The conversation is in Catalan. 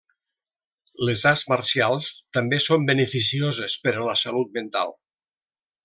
Les arts marcials també són beneficioses per a la salut mental.